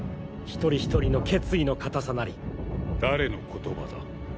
一人一人の決意の固さなり誰の言葉だ？